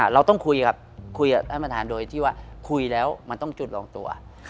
เราต้องคุยครับคุยกับท่านประธานโดยที่ว่าคุยแล้วมันต้องจุดรองตัว